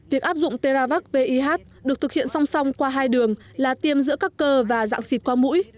việc áp dụng terravac pih được thực hiện song song qua hai đường là tiêm giữa các cơ và dạng xịt qua mũi